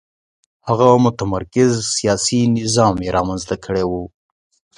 هغه متمرکز سیاسي نظام یې رامنځته کړی و.